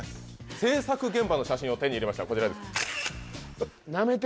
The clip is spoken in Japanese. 制作現場の写真を手に入れましたこちらです